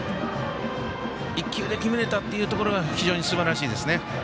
１球で決めれたところが非常にすばらしいですね。